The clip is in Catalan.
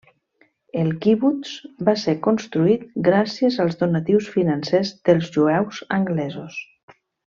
El quibuts va ser construït gràcies als donatius financers dels jueus anglesos.